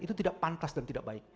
itu tidak pantas dan tidak baik